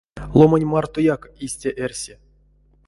Ломань мартояк истя эрси.